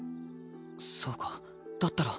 そうかだったら。